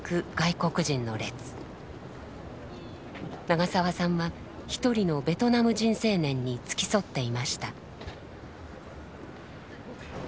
長澤さんは一人のベトナム人青年に付き添っていました。